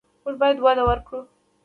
موږ باید وده ورکړو.